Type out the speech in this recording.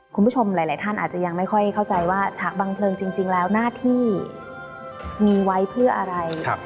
คุณผู้ชมหลายท่านอาจจะยังไม่ค่อยเข้าใจว่าฉากบังเพลิงจริงแล้วหน้าที่มีไว้เพื่ออะไร